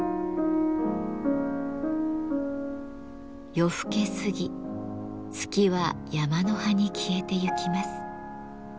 夜更けすぎ月は山の端に消えてゆきます。